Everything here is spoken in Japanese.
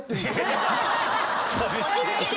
寂しい！